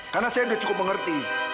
karena saya sudah cukup mengerti